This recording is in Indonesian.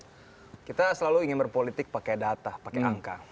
jadi kita ingin berpolitik pakai data pakai angka